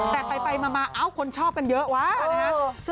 แต่ไปมาคนชอบกันเยอะวะนะครับ